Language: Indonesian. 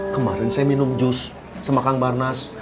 kemarin saya minum jus sama kang barnas